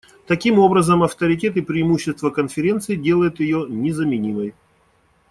Таким образом, авторитет и преимущества Конференции делают ее незаменимой.